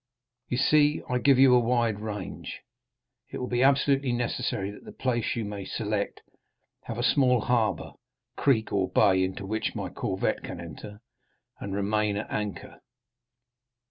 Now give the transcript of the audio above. You see I give you a wide range. It will be absolutely necessary that the place you may select have a small harbor, creek, or bay, into which my corvette can enter and remain at anchor.